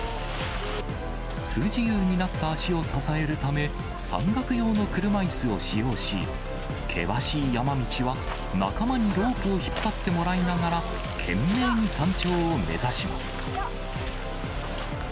不自由になった足を支えるため、山岳用の車いすを使用し、険しい山道は、仲間にロープを引っ張ってもらいながら、懸命に山頂を目指します。